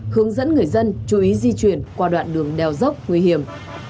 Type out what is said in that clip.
hướng dẫn người dân chú ý di chuyển qua đoạn đường đèo dốc nguy hiểm